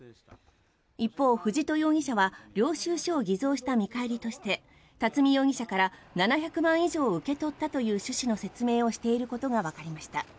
一方、藤戸容疑者は領収書を偽造した見返りとして巽容疑者から７００万円以上を受け取ったという趣旨の説明をしていることがわかりました。